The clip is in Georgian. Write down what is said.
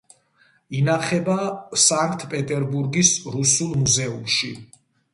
ინახება სანქტ-პეტერბურგის რუსულ მუზეუმში.